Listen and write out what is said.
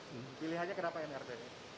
pilihannya kenapa mrt